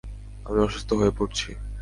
আমি অসুস্থ হয়ে পরছি।